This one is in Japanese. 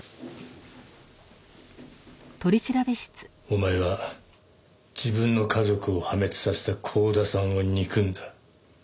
お前は自分の家族を破滅させた光田さんを憎んだ。